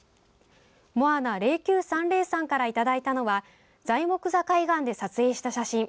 Ｍｏａｎａ０９３０さんからいただいたのは材木座海岸で撮影した写真。